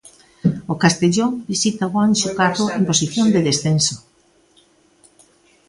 O Castellón visita o Anxo Carro en posición de descenso.